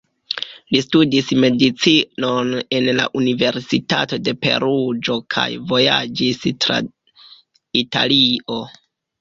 Li studis medicinon en la Universitato de Peruĝo kaj vojaĝis tra Italio.